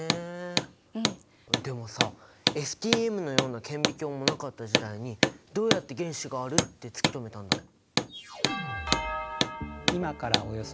でもさＳＴＭのような顕微鏡もなかった時代にどうやって原子があるって突き止めたんだろう？